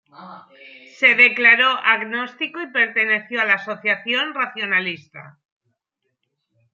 Se declaró agnóstico y perteneció a la Asociación racionalista.